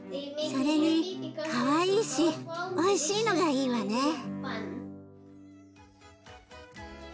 それにかわいいしおいしいのがいいわね。